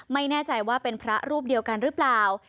ไม่แน่ใจว่าเป็นพระรูปเดียวกันหรือเปล่า